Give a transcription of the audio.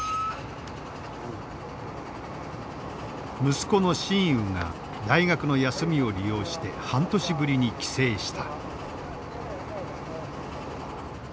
息子の新雨が大学の休みを利用して半年ぶりに帰省した。